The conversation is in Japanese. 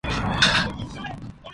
私は君を信じたいんだ